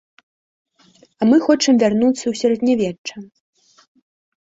А мы хочам вярнуцца ў сярэднявечча.